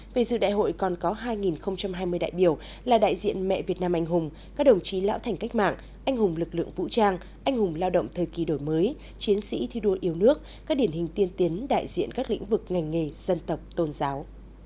về dự đại hội còn có hai hai mươi đại biểu là đại diện mẹ việt nam anh hùng các đồng chí lão thành cách mạng anh hùng lực lượng vũ trang anh hùng lao động thời kỳ đổi mới chiến sĩ thi đua yêu nước các điển hình tiên tiến đại diện các lĩnh vực ngành nghề dân tộc tôn giáo